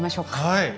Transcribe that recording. はい！